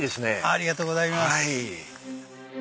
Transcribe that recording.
ありがとうございます。